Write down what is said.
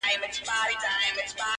طبعي ده